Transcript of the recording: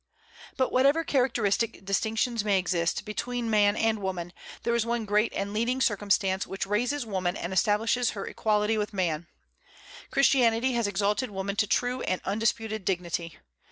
"But whatever characteristic distinctions may exist between man and woman, there is one great and leading circumstance which raises woman and establishes her equality with man. Christianity has exalted woman to true and undisputed dignity.